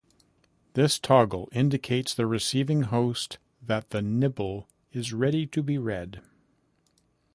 This toggle indicates the receiving host that the nibble is ready to be read.